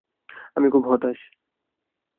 আমি খুব হতাশ!